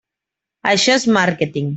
Això és màrqueting.